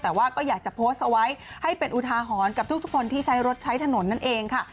แต่ว่าก็อยากจะโพสต์เอาไว้ให้เป็นอุทาหรณ์กับทุกคนที่ใช้รถใช้ถนนนั่นเองค่ะ